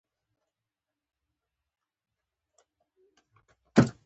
مقالې باید په رسمي او علمي ژبه وي.